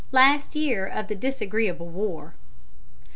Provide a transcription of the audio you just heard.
LAST YEAR OF THE DISAGREEABLE WAR.